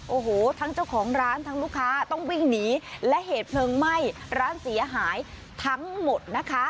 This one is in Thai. โอ้โหทั้งเจ้าของร้านทั้งลูกค้าต้องวิ่งหนีและเหตุเพลิงไหม้ร้านเสียหายทั้งหมดนะคะ